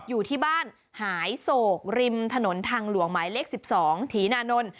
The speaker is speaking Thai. อยู่ที่บ้านหายโศกริมถนนทางหลวงหมายเลข๑๒ถีนานนท์